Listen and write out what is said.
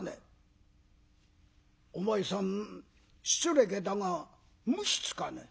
「お前さん失礼だが無筆かね？」。